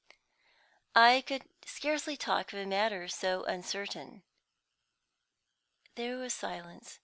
"I could scarcely talk of a matter so uncertain." There was silence.